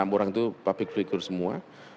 enam orang itu publik figur semua